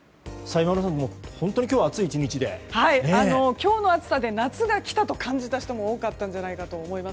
今日の暑さで夏が来たと感じた人も多かったんじゃないかと思います。